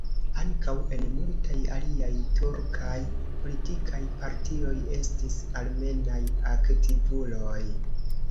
Ankaŭ en multaj aliaj turkaj politikaj partioj estis armenaj aktivuloj.